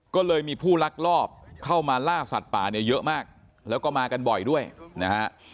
ก็เลยมีผู้ลักลอบเข้ามาล่าสัตว์ป่าเนี่ยเยอะมากแล้วก็มากันบ่อยด้วยนะฮะ